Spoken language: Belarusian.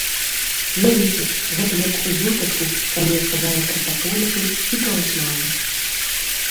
Ведаеце, гэта як у выпадку, калі я казала пра католікаў і праваслаўных.